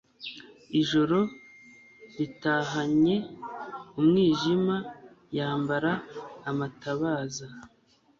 ijoro litahanye umwijima yambara amatabaza